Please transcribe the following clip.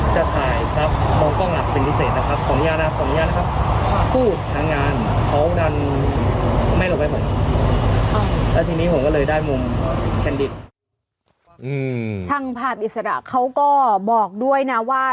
ช่างภาพอิสระเขาก็บอกด้วยนะว่า